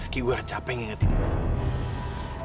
ki saya sudah capek ingatkan kamu